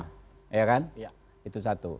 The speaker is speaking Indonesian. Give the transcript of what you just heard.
iya kan itu satu